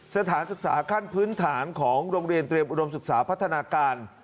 สถานศึกษาขั้นพื้นฐานของโรงเรียนเตรียมอุดมศึกษาพัฒนาการ